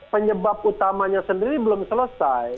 penyebab utamanya sendiri belum selesai